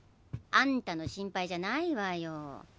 あんたの心配じゃないわよ。